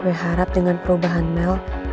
gue harap dengan perubahan mel